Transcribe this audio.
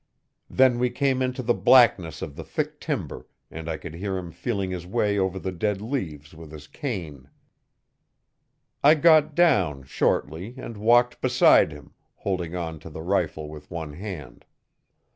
Then we came into the blackness of the thick timber and I could hear him feeling his way over the dead leaves with his cane. I got down, shortly, and walked beside him, holding on to the rifle with one hand.